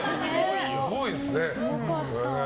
すごいですね。